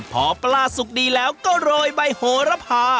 พอปลาสุกดีแล้วก็โรยใบโหระพา